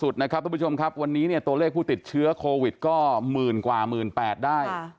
ท่านผู้ชมครับวันนี้ตัวเลขผู้ติดเชื้อโควิดก็หมื่นกว่าหมื่นแปดได้